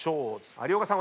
有岡さん